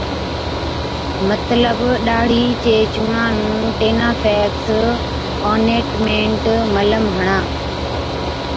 مطلب، ڏاڙهِي چي چُونڻان نُون ٽِينافيڪس Tineafax Ointment ملم هڻا